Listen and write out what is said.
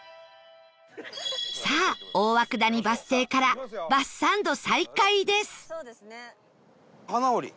さあ大涌谷バス停からバスサンド再開です